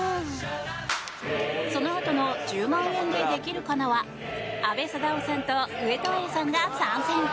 そのあとの「１０万円でできるかな」は阿部サダヲさんと上戸彩さんが参戦！